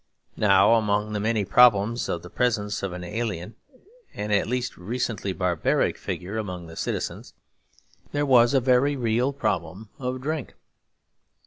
Now among the many problems of the presence of an alien and at least recently barbaric figure among the citizens, there was a very real problem of drink.